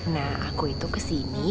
nah aku itu kesini